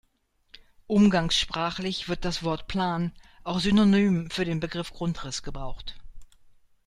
Umgangssprachlich wird das Wort "Plan" auch synonym für den Begriff "Grundriss" gebraucht.